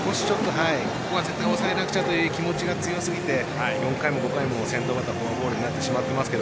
抑えなくちゃという気持ちが強すぎて４回も５回も先頭がフォアボールになってしまっています。